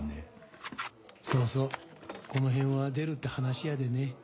そうそうこの辺は出るって話やでね。